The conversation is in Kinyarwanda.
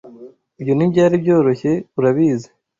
Ibyo ntibyari byoroshye, urabizi